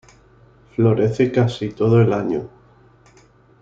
Florece casi todo el año.